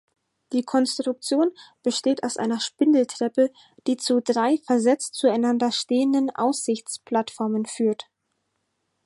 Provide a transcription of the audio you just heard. Die Konstruktion besteht aus einer Spindeltreppe die zu drei versetzt zueinander stehenden Aussichtsplattformen führt.